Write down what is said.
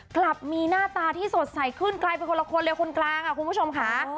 กลับมีหน้าตาที่สดใสขึ้นกลายเป็นคนละคนเลยคนกลางค่ะคุณผู้ชมค่ะ